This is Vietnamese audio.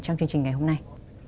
trong chương trình ngày hôm nay